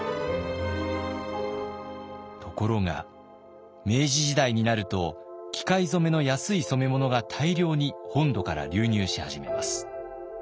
ところが明治時代になると機械染めの安い染物が大量に本土から流入し始めます。